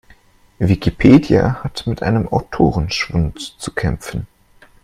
Wikipedia hat mit einem Autorenschwund zu kämpfen.